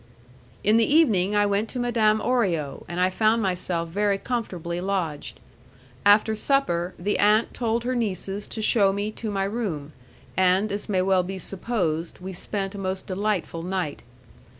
In the evening I went to Madame Orio, and I found myself very comfortably lodged. After supper, the aunt told her nieces to shew me to my room, and, as may well be supposed, we spent a most delightful night.